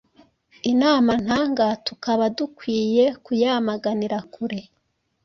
inama ntanga tukaba dukwiye kuyamaganira kure